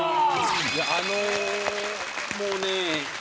あのもうね